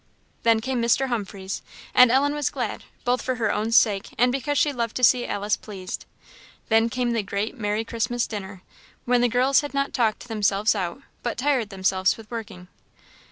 Then came Mr. Humphreys; and Ellen was glad, both for her own sake and because she loved to see Alice pleased. Then came the great merry Christmas dinner, when the girls had not talked themselves out, but tired themselves with working.